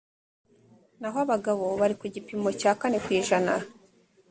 naho abagabo bari ku gipimo cya kane ku ijana